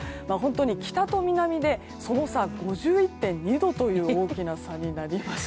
北と南でその差５１．２度という大きな差になりました。